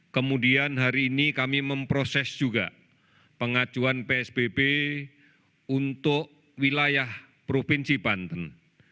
kemudian hari ini kami memproses juga pengajuan psbb untuk wilayah provinsi banten